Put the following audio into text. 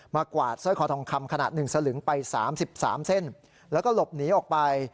มากวาดซ้อยคอทองคำขนาดหนึ่งสลึงไปสามสิบสามเส้นแล้วก็หลบหนีออกไป